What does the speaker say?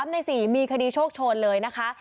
ใน๔มีคดีโชคโชนเลยนะคะ